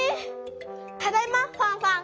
ただいまファンファン。